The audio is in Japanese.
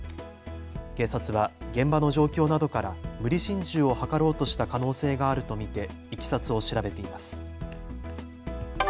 警察は現場の状況などから無理心中を図ろうとした可能性があると見ていきさつを調べています。